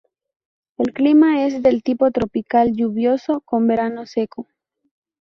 El clima es del tipo tropical lluvioso, con verano seco.